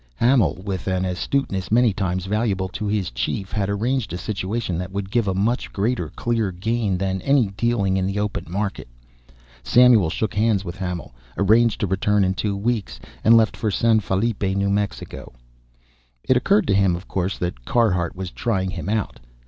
Hamil, with an astuteness many times valuable to his chief, had arranged a situation that would give a much greater clear gain than any dealing in the open market. Samuel shook hands with Hamil, arranged to return in two weeks, and left for San Felipe, New Mexico. It occurred to him, of course, that Carhart was trying him out.